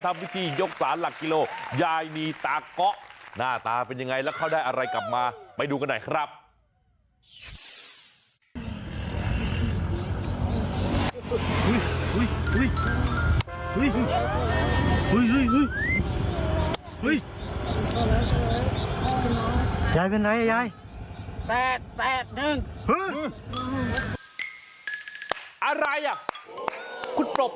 วิธียกสารหลักกิโลยายมีตาเกาะหน้าตาเป็นยังไงแล้วเขาได้อะไรกลับมาไปดูกันหน่อยครับ